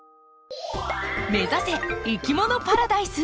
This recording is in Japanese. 目指せいきものパラダイス！